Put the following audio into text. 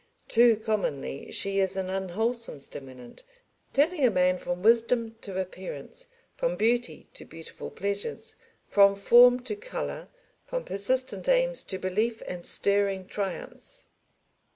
Too commonly she is an unwholesome stimulant turning a man from wisdom to appearance, from beauty to beautiful pleasures, from form to colour, from persistent aims to belief and stirring triumphs.